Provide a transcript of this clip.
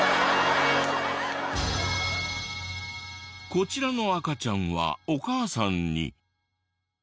こちらの赤ちゃんはお母さんに。